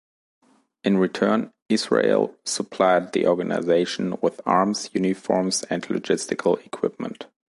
In return Israel supplied the organization with arms, uniforms, and logistical equipment.